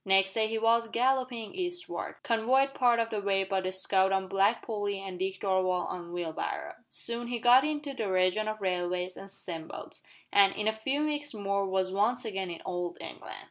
Next day he was galloping eastward convoyed part of the way by the scout on Black Polly and Dick Darvall on Wheelbarrow. Soon he got into the region of railways and steam boats, and, in a few weeks more was once again in Old England.